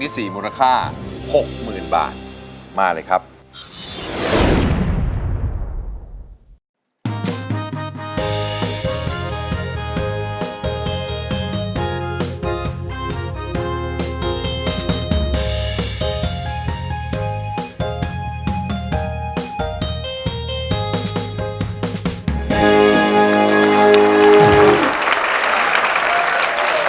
ทั้งในเรื่องของการทำงานเคยทำนานแล้วเกิดปัญหาน้อย